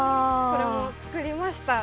これも作りました。